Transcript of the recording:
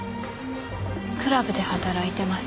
クラブで働いてます。